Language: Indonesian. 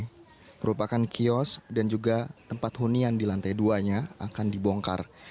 ini merupakan kios dan juga tempat hunian di lantai dua nya akan dibongkar